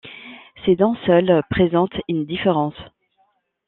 Ses dents seules présentent une différence.